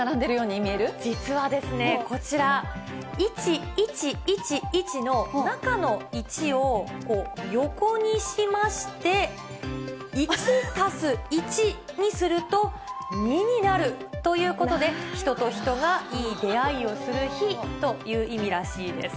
実はこちら、１１１１の中の１を横にしまして、１＋１にすると、２になるということで、人と人がいい出会いをする日という意味らしいです。